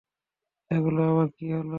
এগুলোর আবার কী হলো?